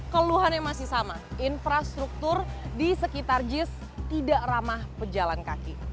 keluhannya masih sama infrastruktur di sekitar jis tidak ramah pejalan kaki